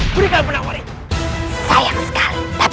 berikan penawar itu